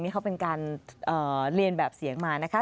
นี่เขาเป็นการเรียนแบบเสียงมานะคะ